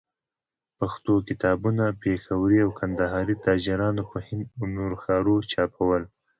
پښتو کتابونه، پېښوري او کندهاري تاجرانو په هند او نورو ښارو چاپول.